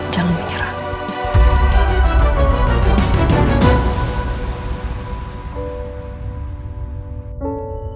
mama tau itu